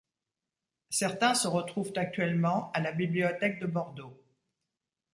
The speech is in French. Certains se retrouvent actuellement à la bibliothèque de Bordeaux.